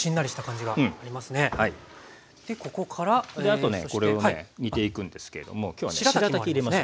あとねこれをね煮ていくんですけれども今日はねしらたき入れます。